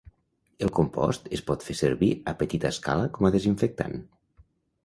El compost es pot fer servir a petita escala com a desinfectant.